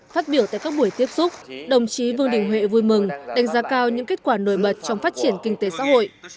phát biểu tại các buổi tiếp xúc đồng chí vương đình huệ vui mừng đánh giá cao những kết quả nổi bật trong phát triển kinh tế xã hội